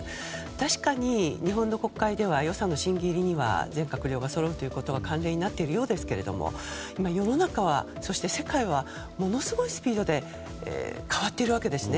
確かに日本の国会では予算の審議入りには全閣僚がそろうことが慣例になっているようですが世の中、そして世界はものすごいスピードで変わっているわけですね。